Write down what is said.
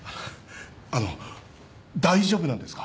あの大丈夫なんですか？